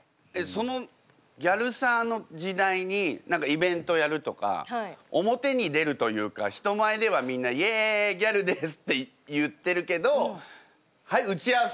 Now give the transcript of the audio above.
そのギャルサーの時代に何かイベントやるとか表に出るというか人前ではみんな「イエイギャルです」って言ってるけど「はい打ち合わせ！」